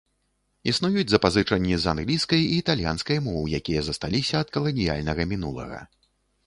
Існуюць запазычанні з англійскай і італьянскай моў, якія засталіся ад каланіяльнага мінулага.